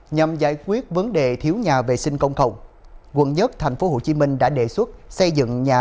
nhằm giải quyết vấn đề thiếu nhà vệ sinh công cộng quận một tp hcm đã đề xuất xây dựng nhà